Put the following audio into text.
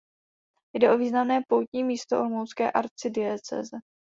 Jde o významné poutní místo olomoucké arcidiecéze.